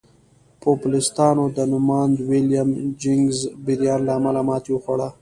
پوپلستانو د نوماند ویلیم جیننګز بریان له امله ماتې وخوړه.